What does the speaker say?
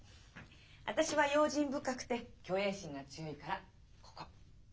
私は用心深くて虚栄心が強いからここ。